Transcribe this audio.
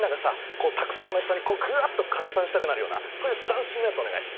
こうたくさんの人にグワッと拡散したくなるようなそういう斬新なやつお願い！